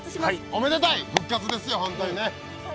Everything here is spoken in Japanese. おめでたい、復活ですよ、本当にね。